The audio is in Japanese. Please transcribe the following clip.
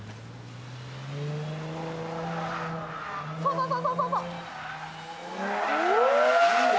そうそうそうそう！